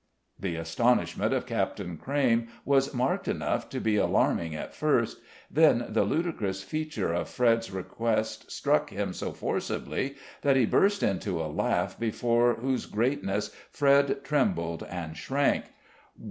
The astonishment of Captain Crayme was marked enough to be alarming at first; then the ludicrous feature of Fred's request struck him so forcibly that he burst into a laugh before whose greatness Fred trembled and shrank.